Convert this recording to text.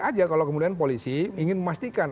aja kalau kemudian polisi ingin memastikan